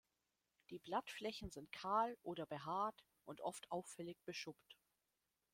Die Blattflächen sind kahl oder behaart und oft auffällig beschuppt.